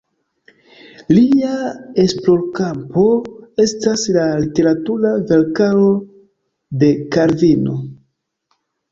Lia esplorkampo estas la literatura verkaro de Kalvino.